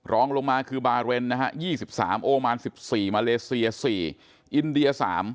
รองลงมาคือบาเรนนะฮะ๒๓โอมาน๑๔มาเลเซีย๔อินเดีย๓